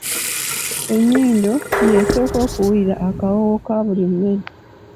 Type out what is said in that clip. Ennyindo, y'esooka okuwulira akawoowo ka buli mmere.